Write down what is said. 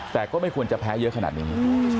แต่ก็ไม่ควรจะแพ้เยอะขนาดนี้